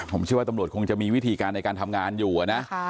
ผมเชื่อว่าตำรวจคงจะมีวิธีการในการทำงานอยู่นะ